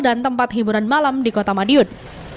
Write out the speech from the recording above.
dan tempat hiburan malam di kota madiun